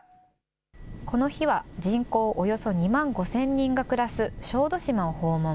この日は、人口およそ２万５０００人が暮らす小豆島を訪問。